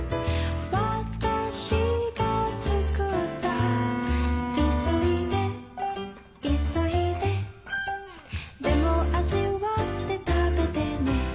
わたしが作ったいそいでいそいででも味わって食べてね